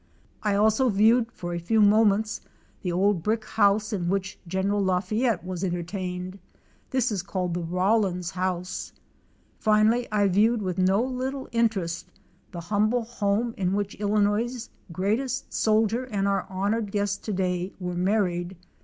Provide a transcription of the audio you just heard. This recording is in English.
I also viewed for a few moments the old brick house in which General LaFayette was entertained. This is called the Rawlins house, Finally I viewed with no little interest the humble home in which Illinois' greatest soldier and our honored guest today were married.